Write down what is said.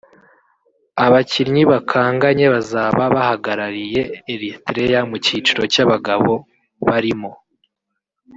Abakinnyi bakanganye bazaba bahagarariye Erythrea mu cyiciro cy’abagabo barimo